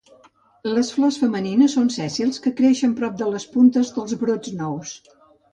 Les flors femenines són sèssils que creixen prop de les puntes dels brots nous